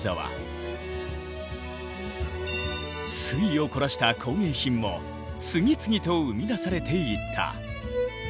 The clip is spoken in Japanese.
粋を凝らした工芸品も次々と生み出されていった。